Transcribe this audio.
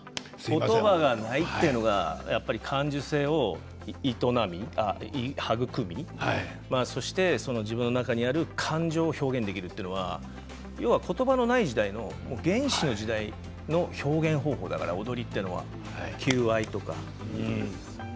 言葉がないというのがやっぱり感受性をはぐくみそして自分の中にある感情を表現できるというのは要は言葉のない時代の原始の時代の表現方法だから踊りというのは。